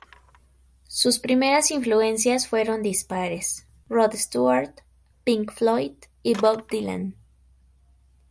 Sus primeras influencias fueron dispares: Rod Stewart, Pink Floyd y Bob Dylan.